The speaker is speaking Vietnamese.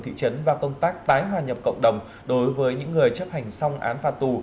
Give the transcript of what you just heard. thị trấn và công tác tái hòa nhập cộng đồng đối với những người chấp hành xong án phạt tù